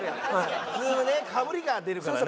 普通ねかぶりが出るからね。